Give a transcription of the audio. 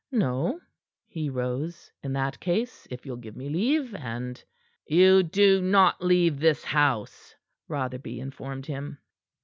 "No?" He rose. "In that case, if you'll give me leave, and " "You do not leave this house," Rotherby informed him.